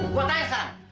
gue tanya sekarang